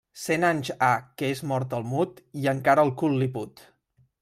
Cent anys ha que és mort el mut, i encara el cul li put.